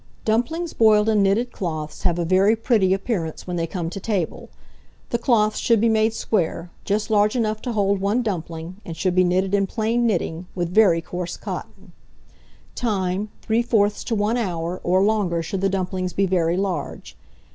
Dumplings boiled in knitted cloths have a very pretty appearance when they come to table. The cloths should be made square, just large enough to hold one dumpling, and should be knitted in plain knitting, with very coarse cotton. Time. 3/4 to 1 hour, or longer should the dumplings be very large.